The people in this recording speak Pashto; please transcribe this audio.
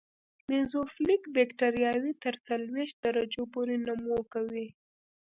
میزوفیلیک بکټریاوې تر څلوېښت درجو پورې نمو کوي.